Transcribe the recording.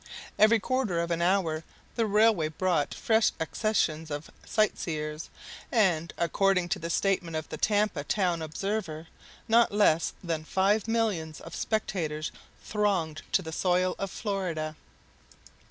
Every quarter of an hour the railway brought fresh accessions of sightseers; and, according to the statement of the Tampa Town Observer, not less than five millions of spectators thronged the soil of Florida.